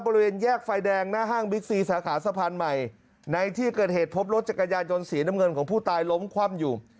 บริเวณแยกไฟแดงหน้าห้างบิ๊กซีสาขาสะพานใหม่ในที่เกิดเหตุพบรถจักรยานยนต์สีน้ำเงินของผู้ตายล้มคว่ำอยู่